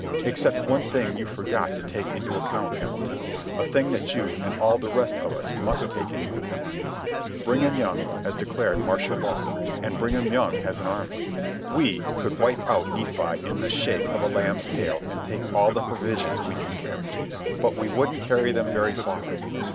"Except one thing you forgot to take into account, Hamilton—a thing that you and all of us must take into account. Brigham Young has declared martial law, and Brigham Young has an army. We could wipe out Nephi in the shake of a lamb's tail and take all the provisions we can carry. But we wouldn't carry them very far.